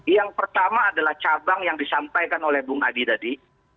yang pertama adalah cabang yang disampaikan oleh bung adi tadi